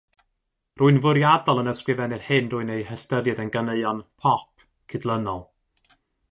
Rwy'n fwriadol yn ysgrifennu'r hyn rwy'n eu hystyried yn ganeuon "pop" cydlynol.